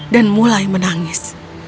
dan mulai menangis